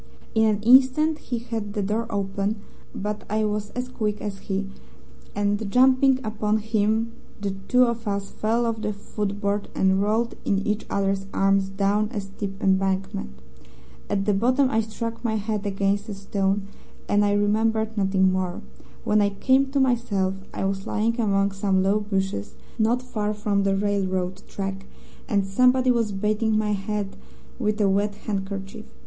In an instant he had the door open, but I was as quick as he, and jumping upon him the two of us fell off the footboard and rolled in each other's arms down a steep embankment. At the bottom I struck my head against a stone, and I remembered nothing more. When I came to myself I was lying among some low bushes, not far from the railroad track, and somebody was bathing my head with a wet handkerchief.